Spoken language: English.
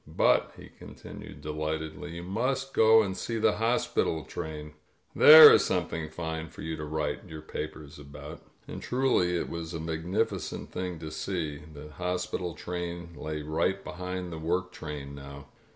But," he continued de lightedly, "you must go and see the hospital train. There is something fine for you to write your papers about. •.." And truly it was a magnificent thing to see. The hospital train lay right behind the work train now.